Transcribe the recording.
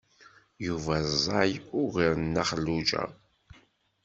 Yuba ẓẓay ugar n Nna Xelluǧa.